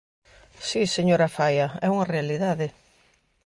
Si, señora Faia, é unha realidade.